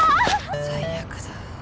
最悪だ。